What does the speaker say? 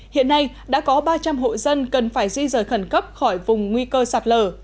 hiện nay đã có ba trăm linh hộ dân cần phải di rời khẩn cấp khỏi vùng nguy cơ sạt lở